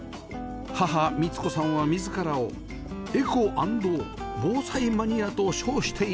母美津子さんは自らをエコ＆防災マニアと称しています